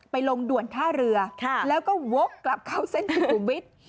ลงด่วนท่าเรือแล้วก็วกกลับเข้าเส้นสุขุมวิทย์